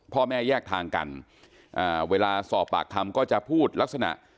พ่อแม่แยกทางกันอ่าเวลาสอบปากคำก็จะพูดลักษณะ